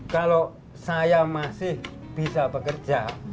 kalau saya masih bisa bekerja